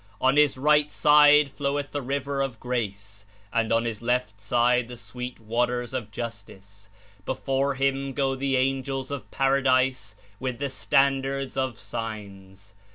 On His right side floweth the river of Grace, and on His left side the sweet waters of Justice; before Him go the angels of Paradise with the standards of signs.